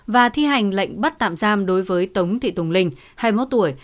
và thi hành lệnh bắt tạm giam đối với tống thị tùng linh hai mươi một tuổi